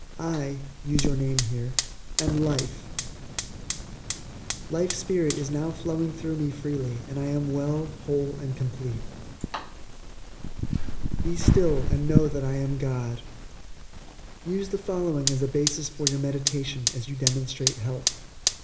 I (use your own name) am life. Life Spirit is now flowing through me freely and I am well, whole and complete. "Be still and know that I am God." USE THE FOLLOWING AS A BASIS FOR YOUR MEDITATION AS YOU DEMONSTRATE HEALTH.